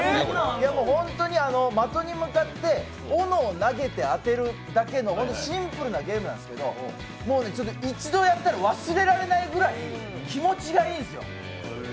本当に的に向かって、斧を投げて当てるだけのシンプルなゲームなんですけど、一度やったら忘れられないぐらい気持ちがいいんですよ。